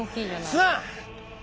すまん！